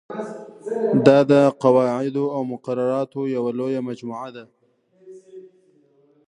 دا د قواعدو او مقرراتو یوه لویه مجموعه ده.